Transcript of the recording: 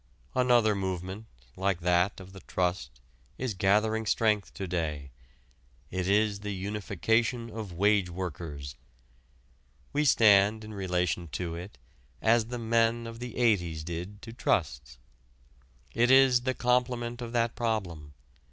Another movement like that of the trust is gathering strength to day. It is the unification of wage workers. We stand in relation to it as the men of the '80's did to the trusts. It is the complement of that problem.